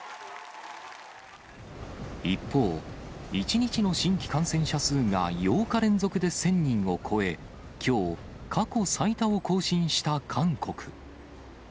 一方、１日の新規感染者数が８日連続で１０００人を超え、きょう、過去最多を更新した韓国。